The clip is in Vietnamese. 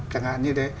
chẳng hạn như thế